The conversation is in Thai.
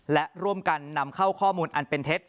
และร่วมกันนำเข้าข้อมูลอันเป็นเท็จ